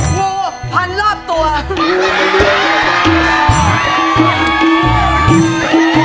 งูพันรอบตัว